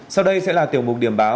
sau đây sẽ là tiểu mục điểm báo